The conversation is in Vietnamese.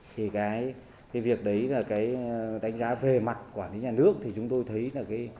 thì cái việc đấy là cái đánh giá về mặt quản lý nhà nước thì chúng tôi thấy là cái